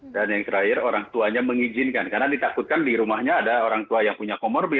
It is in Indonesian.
dan yang terakhir orang tuanya mengizinkan karena ditakutkan di rumahnya ada orang tua yang punya komorbid